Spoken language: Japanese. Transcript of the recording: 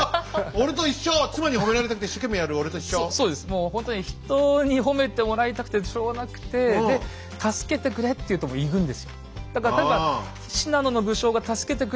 もうほんとに人に褒めてもらいたくてしょうがなくてで「助けてくれ」って言うともう行くんですよ。